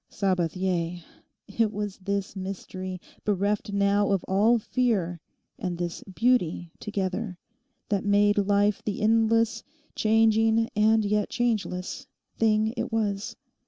Sabathier! It was this mystery, bereft now of all fear, and this beauty together, that made life the endless, changing and yet changeless, thing it was.